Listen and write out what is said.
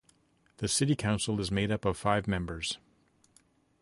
The city council is made up of five members.